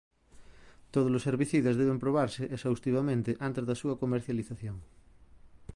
Todos os herbicidas deben probarse exhaustivamente antes da súa comercialización.